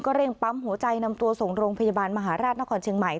เร่งปั๊มหัวใจนำตัวส่งโรงพยาบาลมหาราชนครเชียงใหม่